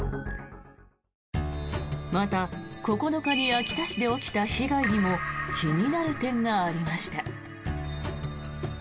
また、９日に秋田市で起きた被害にも気になる点がありました。